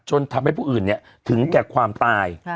ทำให้ผู้อื่นถึงแก่ความตาย